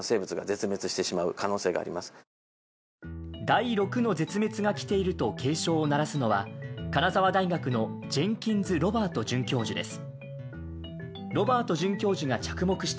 第６の絶滅が来ていると警鐘を鳴らすのは金沢大学のジェンキンズ・ロバート准教授です。